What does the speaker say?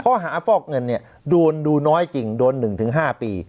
ข้อหาฟอกเงินดูนดูน้อยจริงโดน๑๕ปี